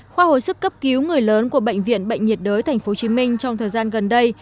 khoa hồi sức cấp cứu người lớn của bệnh viện bệnh nhiệt đới tp hcm trong thời gian gần đây